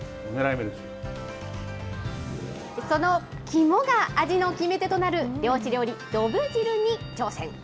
肝が味の決め手となる、漁師料理、どぶ汁に挑戦。